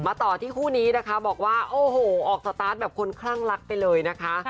ต่อที่คู่นี้นะคะบอกว่าโอ้โหออกสตาร์ทแบบคนคลั่งรักไปเลยนะคะ